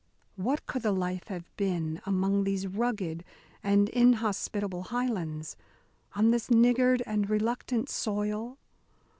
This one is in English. What could the life have been among these rugged and inhospitable Highlands, on this niggard and reluctant soil?